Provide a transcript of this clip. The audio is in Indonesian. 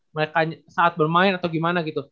mereka saat bermain atau gimana gitu